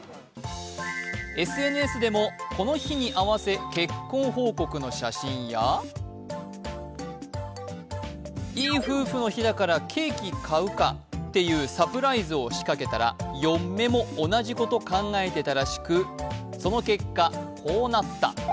ＳＮＳでもこの日に合わせ、結婚報告の写真や、いい夫婦の日だからケーキ買うかっていうサプライズを仕掛けたら、ヨッメも同じこと考えてたらしくその結果こうなった。